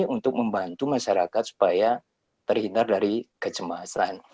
untuk membantu masyarakat supaya terhindar dari kecemasan